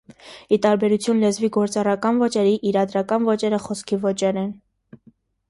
Ի տարբերություն լեզվի գործառական ոճերի, իրադրական ոճերը խոսքի ոճեր են։